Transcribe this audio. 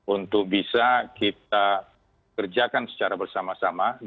untuk bisa kita kerjakan secara bersama sama